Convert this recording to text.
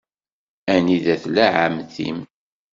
Anida tella ɛemmti-m?